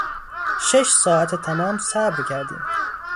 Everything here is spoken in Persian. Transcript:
شش ساعت تمام صبر کردیم.